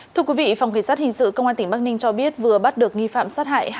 thưa quý vị phòng cảnh sát hình sự công an tỉnh bắc ninh cho biết vừa bắt được nghi phạm sát hại